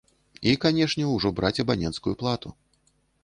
І, канешне, ужо браць абаненцкую плату.